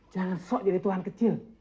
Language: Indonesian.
jangan sok jadi tuhan kecil